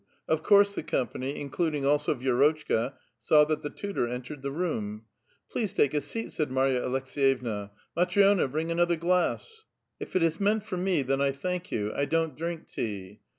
of course the cojnpany, including also Vi6rotchka, saw that the tutor entered the room. '*l*lea8e take a seat, Siiid Marya Alekseyevna. — Matri6na, bring another glass." " If it is meant for me, then I thank vou. I don't drink tea.